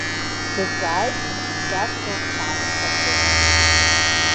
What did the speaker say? Дҵааит Кьаса лҽаархааӡаны.